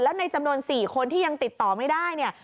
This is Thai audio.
แล้วในจำนวน๔คนที่ยังติดต่อไม่ได้เนี่ย